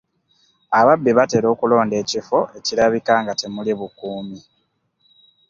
Ababbi batera okulonda ekifo ekirabika nga temuli bukuumi.